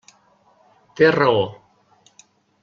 Té raó.